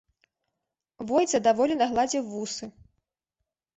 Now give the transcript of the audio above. Войт задаволена гладзіў вусы.